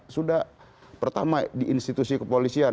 sudah pertama di institusi kepolisian